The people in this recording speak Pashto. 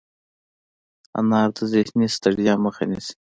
انار د ذهني ستړیا مخه نیسي.